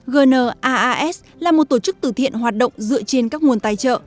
gnaas là một tổ chức tử thiện hoạt động dựa trên các nguồn tài trợ